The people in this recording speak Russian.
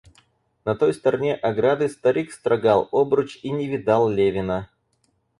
На той стороне ограды старик строгал обруч и не видал Левина.